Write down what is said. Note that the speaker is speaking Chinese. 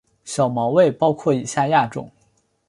小毛猬包括以下亚种